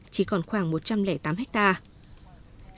chỉ còn khoảng một trăm linh tám hectare